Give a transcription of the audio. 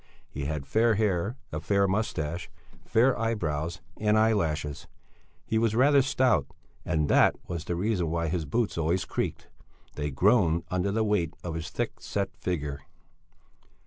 He had fair hair, a fair moustache, fair eyebrows, and eye lashes. He was rather stout, and that was the reason why his boots always creaked; they groaned under the weight of his thick set figure.